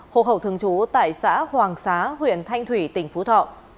hộ khẩu thương chú tại xã hoàng xá huyện thanh thủy tỉnh phú thọ